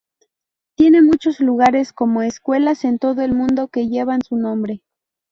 Tiene muchos lugares, como escuelas, en todo el mundo que llevan su nombre.